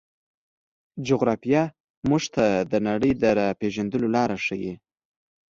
جغرافیه موږ ته د نړۍ د پېژندنې لاره راښيي.